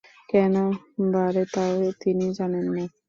কেন বাড়ে, তাও তিনি জানেন না।